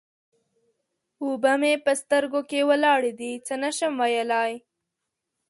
اوبه مې په سترګو کې ولاړې دې؛ څه نه شم ويلای.